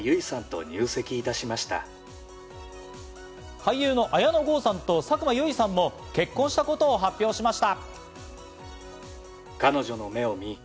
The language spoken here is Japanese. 俳優の綾野剛さんと佐久間由衣さんも結婚したことを発表しました。